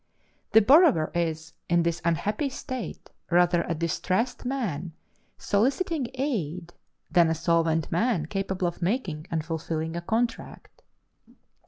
The borrower is, in this unhappy state, rather a distressed man soliciting aid than a solvent man capable of making and fulfilling a contract.